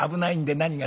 何が？